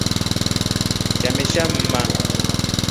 Shamesha mma.